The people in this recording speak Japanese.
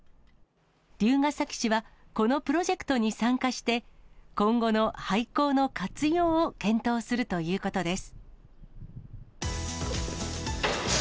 龍ケ崎市はこのプロジェクトに参加して、今後の廃校の活用を検討するということです。